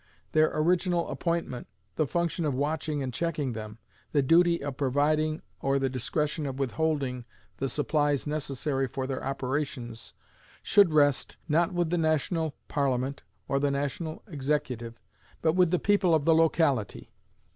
Their original appointment, the function of watching and checking them, the duty of providing or the discretion of withholding the supplies necessary for their operations, should rest, not with the national Parliament or the national executive, but with the people of the locality.